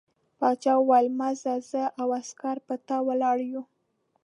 باچا وویل مه ځه زه او عسکر پر تا ولاړ یو.